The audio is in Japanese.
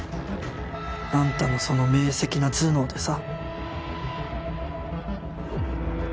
あんたのその明晰な頭脳でさ。